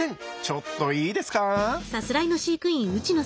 ちょっといいですか。